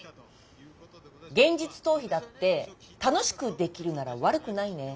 現実逃避だって楽しくできるなら悪くないね。